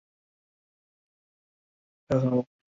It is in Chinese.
日本大学工学部土木工学科毕业。